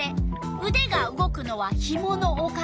「うでが動くのはひものおかげ」。